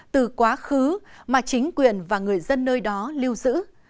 từ quá khứ mà chính quyền và người dân nơi đó lưu giữ